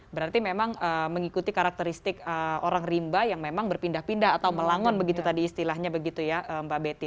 berarti memang mengikuti karakteristik orang rimba yang memang berpindah pindah atau melangon begitu tadi istilahnya begitu ya mbak betty